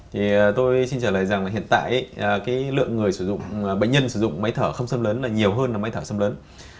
thì tôi xin trả lời rằng hiện tại lượng người sử dụng bệnh nhân sử dụng máy thở không xâm lấn là nhiều hơn máy thở xâm lấn